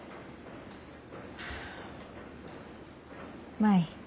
舞